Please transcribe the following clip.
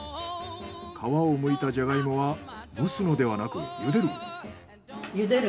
皮をむいたジャガイモは蒸すのではなく茹でる。